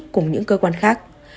cùng những cơ quan khác